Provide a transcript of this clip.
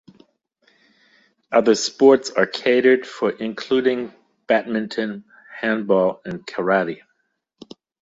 Other sports are catered for including Badmintion, Handball and Karate.